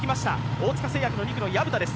大塚製薬の２区の藪田です。